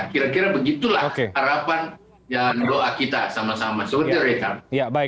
kira kira begitulah harapan dan doa kita sama sama